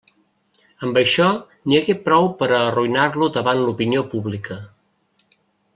Amb això n'hi hagué prou per a arruïnar-lo davant l'opinió pública.